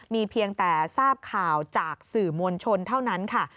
มีเพียงแต่ทราบข่าวจากสื่อมวลชนเท่านั้นค่ะ